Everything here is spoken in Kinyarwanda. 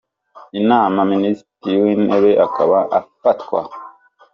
inama Minisitiri w’Intebe, akaba afatwa.